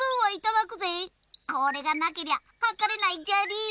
これがなけりゃはかれないじゃりー。